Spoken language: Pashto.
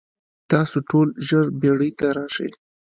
تاسو ټول ژر بیړۍ ته راشئ.